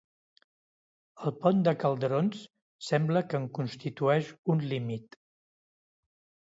El pont de Calderons sembla que en constitueix un límit.